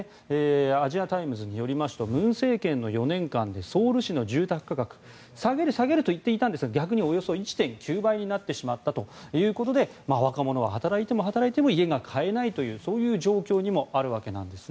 アジア・タイムズによりますと文政権の４年間でソウル市の住宅価格下げる、下げると言っていたんですが逆におよそ１．９倍になったということで若者は働いても働いても家が買えないというそういう状況にあるわけです。